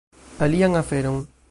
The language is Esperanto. Alian aferon